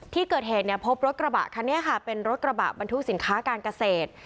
ที่เกิดเหตุเนี่ยพบรถกระบะคันนี้ค่ะเป็นรถกระบะบรรทุกสินค้าการเกษตร